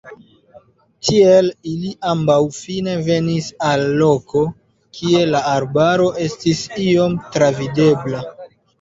Tiel ili ambaŭ fine venis al loko, kie la arbaro estis iom travidebla.